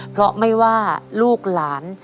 เพราะไม่ว่าลูกหลาน